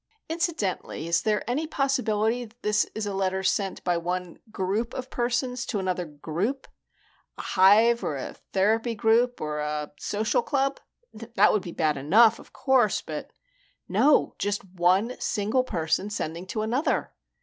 Incidentally, is there any possibility that this is a letter sent by one group of persons to another group? A hive or a therapy group or a social club? That would be bad enough, of course, but " "No, just one single person sending to another."